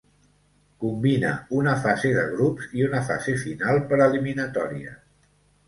Combina una fase de grups i una fase final per eliminatòries.